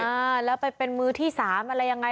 อ่าแล้วไปเป็นมือที่สามอะไรยังไง